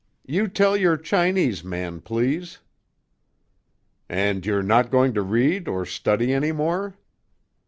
You tell your Chinese man, please." "And you're not going to read or study any more?"